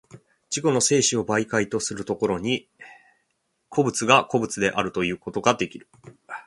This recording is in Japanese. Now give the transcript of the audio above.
自己自身の生死を媒介とする所に、個物が個物であるということができる。